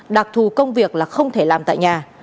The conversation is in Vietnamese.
đặc thù công việc là không thể làm tại nhà